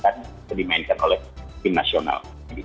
yang dimainkan oleh tim nasional